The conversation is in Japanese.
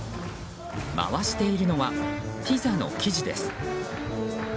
回しているのは、ピザの生地です。